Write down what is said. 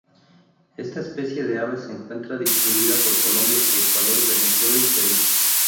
Esta especie de ave se encuentra distribuida por Colombia, Ecuador, Venezuela y Perú.